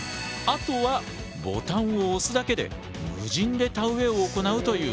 あとはボタンを押すだけで無人で田植えを行うという仕組みだ。